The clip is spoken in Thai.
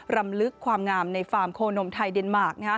รำลึกความงามในฟาร์มโคนมไทยเดนมาร์ค